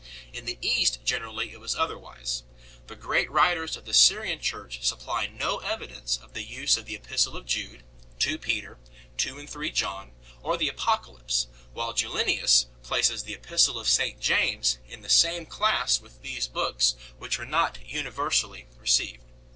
In the East generally it was otherwise. The great writers of the Syrian Church supply no evidence of the use of the Epistle of Jude, 2 Peter, 2 and 3 John, or the Apocalypse, while Junilius places the Epistle of St James in the same class with these books which were not universally re ceived.